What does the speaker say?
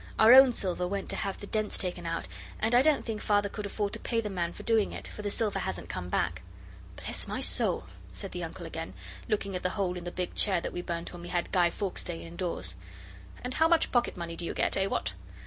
Our own silver went to have the dents taken out; and I don't think Father could afford to pay the man for doing it, for the silver hasn't come back.' 'Bless my soul!' said the Uncle again, looking at the hole in the big chair that we burnt when we had Guy Fawkes' Day indoors. 'And how much pocket money do you get? Eh! what?